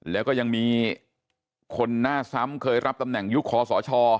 แล้วก็ยังมีคนหน้าซ้ำเคยรับตำแหน่งยุคคอสช